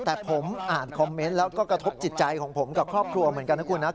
แต่ผมอ่านคอมเมนต์แล้วก็กระทบจิตใจของผมกับครอบครัวเหมือนกันนะคุณนะ